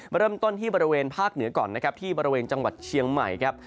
เริ่มต้นที่บริเวณภาคเหนือก่อนนะครับที่บริเวณจังหวัดเชียงใหม่ครับ